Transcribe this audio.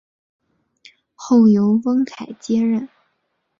后由翁楷接任。